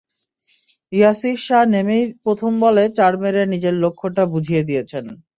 ইয়াসির শাহ নেমেই প্রথম বলে চার মেরে নিজের লক্ষ্যটা বুঝিয়ে দিয়েছেন।